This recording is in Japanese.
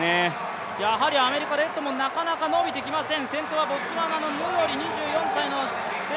やはりアメリカ・デッドモンなかなか伸びてきません。